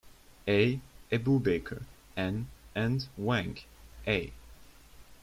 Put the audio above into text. A., Aboobaker, N., and Wang, A.